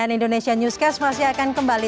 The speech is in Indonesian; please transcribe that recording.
cnn indonesia newscast masih akan kembali